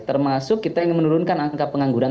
termasuk kita ingin menurunkan angka pengangguran